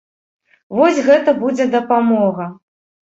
Вось гэта будзе дапамога.